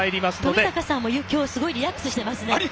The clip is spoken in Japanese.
冨坂さんも今日リラックスしていますね。